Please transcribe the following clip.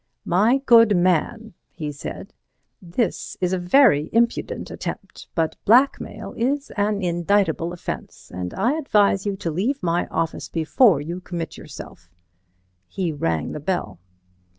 "My good man," he said, "this is a very impudent attempt, but blackmail is an indictable offence, and I advise you to leave my office before you commit yourself." He rang the bell.